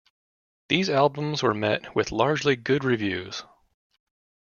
These albums were met with largely good reviews.